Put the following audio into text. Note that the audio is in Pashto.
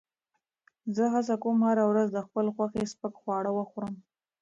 زه هڅه کوم هره ورځ د خپل خوښې سپک خواړه وخورم.